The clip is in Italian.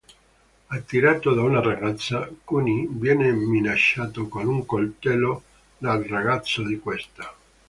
Attirato da una ragazza, Kuni viene minacciato con un coltello dal ragazzo di questa.